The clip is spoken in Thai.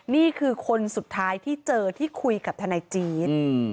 นี่คือคนสุดท้ายที่เจอที่คุยกับทนายจี๊ด